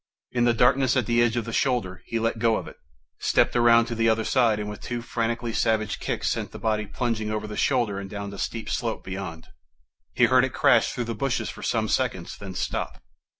In the darkness at the edge of the shoulder, he let go of it, stepped around to the other side and with two frantically savage kicks sent the body plunging over the shoulder and down the steep slope beyond. He heard it crash through the bushes for some seconds, then stop.